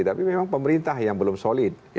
tapi memang pemerintah yang belum solid